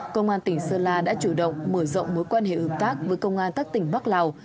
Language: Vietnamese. công an tỉnh sơn la đã chủ động mở rộng mối quan hệ hợp tác với công an các tỉnh bắc lào